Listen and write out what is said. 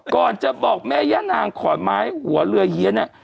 ก่อนจะบอกแม่ย่านางขอนไม้หัวเรือเฮียเนี่ย